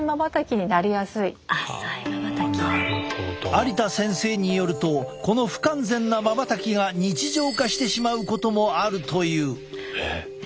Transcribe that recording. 有田先生によるとこの不完全なまばたきが日常化してしまうこともあるという。